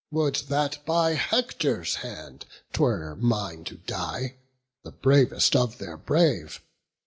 Would that by Hector's hand 'twere mine to die, The bravest of their brave!